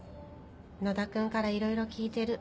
野田君からいろいろ聞いてる。